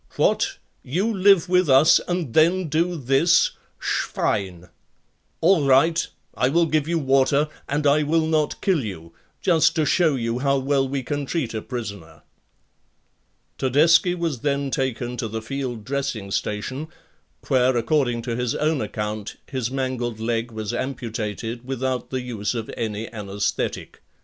"What! You live with us and then do this? Schwein!" "All right, I will give you water and I will not kill you; just to show you how well we can treat a prisoner." Todeschi was then taken to the field dressing station where according to his own account his mangled leg was amputated without the use of any anesthetic.